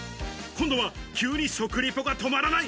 今度は、急に食リポが止まらない。